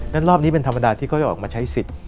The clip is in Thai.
รอบนี้เป็นธรรมดาที่เขาจะออกมาใช้สิทธิ์